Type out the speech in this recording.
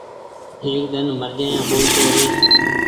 ايڪ ۮن مر جآيآ ٻولتو ري ۔